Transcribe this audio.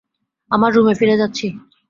আমার রুমে ফিরে যাচ্ছি।